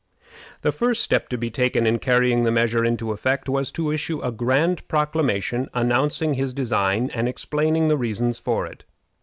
The first step to be taken in carrying the measure into effect was to issue a grand proclamation announcing his design and explaining the reasons for it.